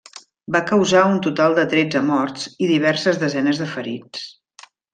Va causar un total de tretze morts i diverses desenes de ferits.